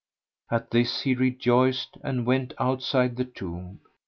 At this he rejoiced and went outside the tomb.